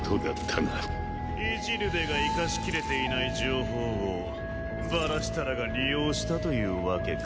イジルデが生かしきれていない情報をバラシタラが利用したというわけか。